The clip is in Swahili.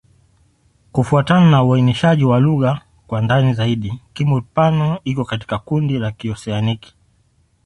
Kufuatana na uainishaji wa lugha kwa ndani zaidi, Kimur-Pano iko katika kundi la Kioseaniki.